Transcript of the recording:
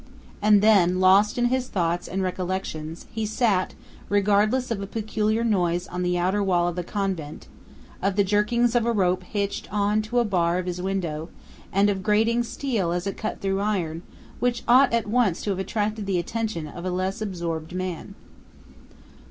And then, lost in his thoughts and recollections, he sat, regardless of a peculiar noise on the outer wall of the convent, of the jerkings of a rope hitched on to a bar of his window, and of grating steel as it cut through iron, which ought at once to have attracted the attention of a less absorbed man.